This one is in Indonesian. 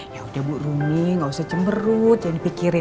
yaudah bu rumi nggak usah cemberut jangan dipikirin